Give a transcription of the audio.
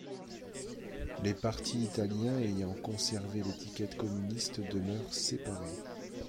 Les partis italiens ayant conservé l'étiquette communiste demeurent séparés.